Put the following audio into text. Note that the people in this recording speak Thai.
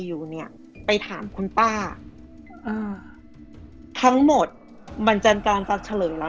อยู่เนี้ยไปถามคุณป้าอ่าทั้งหมดบัญจานการฟักเฉลยแล้ว